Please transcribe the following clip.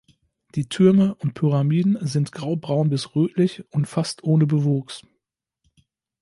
Die Türme und Pyramiden sind graubraun bis rötlich und fast ohne Bewuchs.